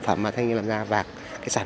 phẩm mà thanh niên làm ra và cái sản